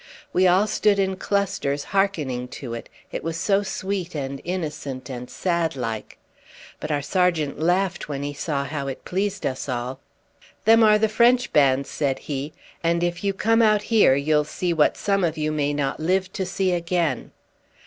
We all stood in clusters hearkening to it, it was so sweet and innocent and sad like. But our sergeant laughed when he saw how it pleased us all. "Them are the French bands," said he; "and if you come out here you'll see what some of you may not live to see again."